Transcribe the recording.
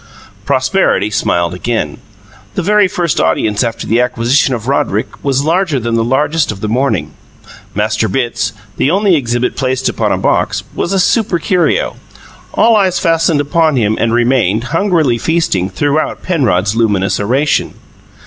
Prosperity smiled again. The very first audience after the acquisition of Roderick was larger than the largest of the morning. Master Bitts the only exhibit placed upon a box was a supercurio. All eyes fastened upon him and remained, hungrily feasting, throughout Penrod's luminous oration.